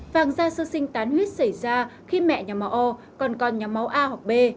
vàng da sơ sinh tán huyết xảy ra khi mẹ nhằm máu o con con nhằm máu a hoặc b